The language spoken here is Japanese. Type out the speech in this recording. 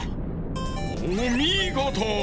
おみごと。